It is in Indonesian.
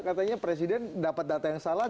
katanya presiden dapat data yang salah